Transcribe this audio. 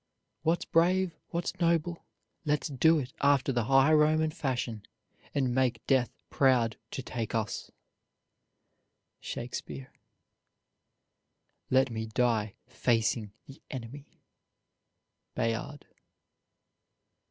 What's brave, what's noble, let's do it after the high Roman fashion, and make death proud to take us. SHAKESPEARE. Let me die facing the enemy. BAYARD.